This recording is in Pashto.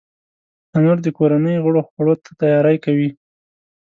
تنور د کورنۍ غړو خوړو ته تیاری کوي